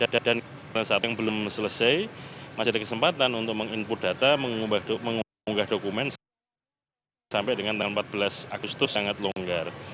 pada saat yang belum selesai masih ada kesempatan untuk meng input data mengunggah dokumen sampai dengan tanggal empat belas agustus sangat longgar